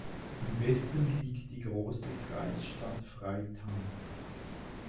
Im Westen liegt die Große Kreisstadt Freital.